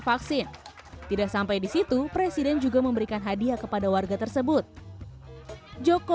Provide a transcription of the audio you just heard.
vaksin tidak sampai di situ presiden juga memberikan hadiah kepada warga tersebut joko